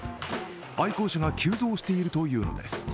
愛好者が急増しているというのです。